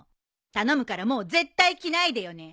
頼むからもう絶対着ないでよね。